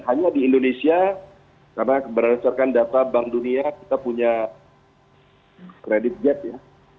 hanya di indonesia karena berdasarkan data bank dunia kita punya kredit gap ya